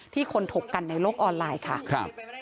คนถกกันในโลกออนไลน์ค่ะ